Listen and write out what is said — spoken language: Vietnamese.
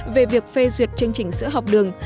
về việc phê duyệt chương trình sữa học đường